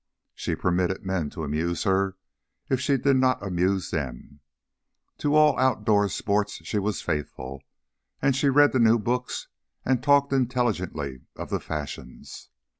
She permitted men to amuse her if she did not amuse them, to all out door sports she was faithful, and she read the new books and talked intelligently of the fashions.